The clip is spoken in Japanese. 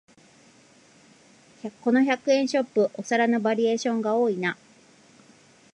この百円ショップ、お皿のバリエーションが多いな